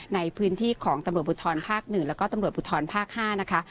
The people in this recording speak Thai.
ในพื้นที่ของตำรวจภูทรภาค๑แล้วก็ตำรวจภูทรภาค๕นะคะ